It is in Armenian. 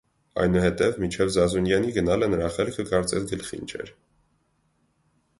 Այնուհետև մինչև Զազունյանի գնալը նրա խելքը կարծես գլխին չէր: